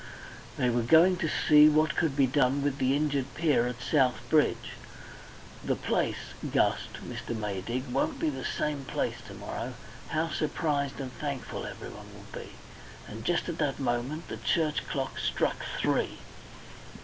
And they were going to see what could be done with the injured pier at South Bridge. "The place," gasped Mr. Maydig, "won't be the same place to morrow. How surprised and thankful everyone will be!" And just at that moment the church clock struck three.